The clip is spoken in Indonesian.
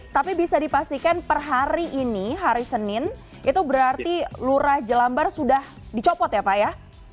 tapi bisa dipastikan per hari ini hari senin itu berarti lurah jelambar sudah dicopot ya pak ya